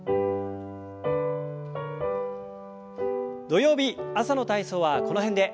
土曜日朝の体操はこの辺で。